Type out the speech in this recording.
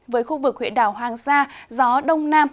với khu vực huyện đảo hoàng sa gió đông nam